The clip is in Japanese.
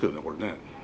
これね。